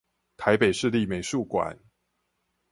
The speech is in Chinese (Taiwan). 臺北市立美術館